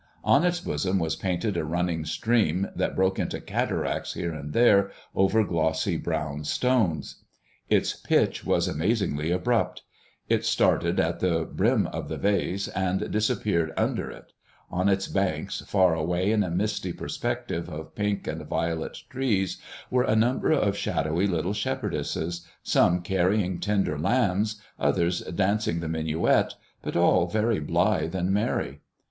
On its bosom was painted a running stream that broke into cataracts here and there over glossy brown stones. Its pitch was amazingly abrupt. It started at the brim of the vase and disappeared under it. On its banks, far away in a misty perspective of pink and violet trees, were a number of shadowy little shepherdesses, some carrying tender lambs, others dancing the minuet, but all very blithe and merry.